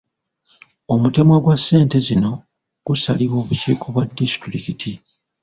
Omutemwa gwa ssente zino gusalibwawo obukiiko bwa disitulikiti.